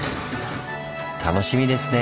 楽しみですね。